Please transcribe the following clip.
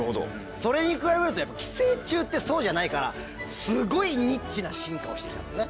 それに比べるとやっぱ寄生虫ってそうじゃないからすごいニッチな進化をして来たんですね。